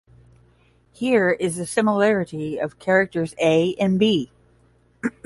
Here, is the similarity of characters "a" and "b".